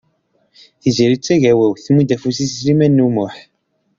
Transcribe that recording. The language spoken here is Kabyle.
Tiziri Tagawawt tmudd afus i Sliman U Muḥ.